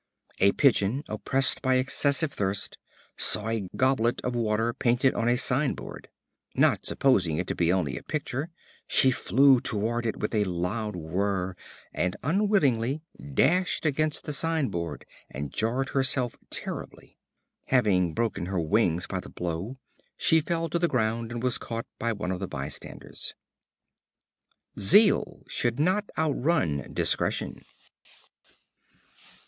A Pigeon, oppressed by excessive thirst, saw a goblet of water painted on a sign board. Not supposing it to be only a picture, she flew toward it with a loud whirr, and unwittingly dashed against the sign board and jarred herself terribly. Having broken her wings by the blow, she fell to the ground, and was caught by one of the bystanders. Zeal should not outrun discretion.